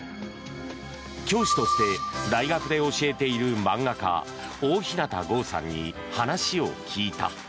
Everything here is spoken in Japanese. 教師として大学で教えている漫画家おおひなたごうさんに話を聞いた。